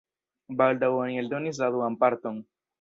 Baldaŭ oni eldonis la duan parton.